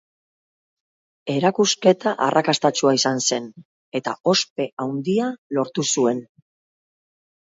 Erakusketa arrakastatsua izan zen, eta ospe handia lortu zuen.